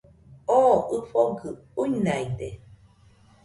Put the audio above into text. Oo ɨfogɨ uinaide